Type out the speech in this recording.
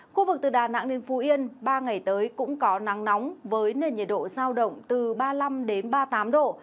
khu vực từ đà nẵng đến phú yên ba ngày tới cũng có nắng nóng với nền nhiệt độ giao động từ ba mươi năm ba mươi tám độ